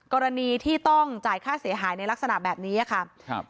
กรณีที่ต้องจ่ายค่าเสียหายในลักษณะแบบนี้ค่ะครับ